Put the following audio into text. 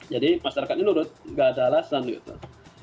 jadi masyarakat ini menurut nggak ada alasan gitu